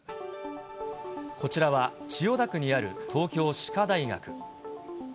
こちらは、千代田区にある東京歯科大学。